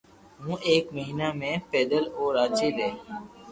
ھين ايڪ مھينا ۾ پيدل او راجي ري